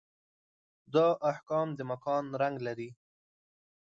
دا احکام د مکان رنګ لري.